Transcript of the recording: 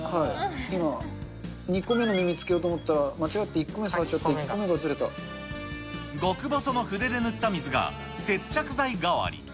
今、２個目の耳つけようと思ったら、間違って１個目触っちゃって、極細の筆で塗った水が接着剤代わりに。